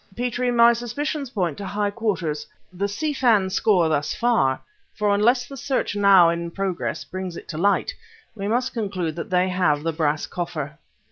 Petrie, my suspicions point to high quarters. The Si Fan score thus far, for unless the search now in progress brings it to light, we must conclude that they have the brass coffer."